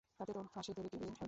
তাতে তো ফাঁসির দড়ির টিকেট পাবি।